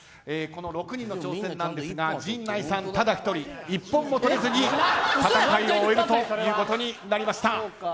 この６人の挑戦ですが陣内さんただ１人１本も取れずに終えるということになりました。